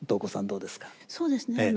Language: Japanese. そうですね。